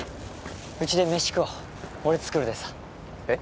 うちで飯食おう俺作るでさえっ？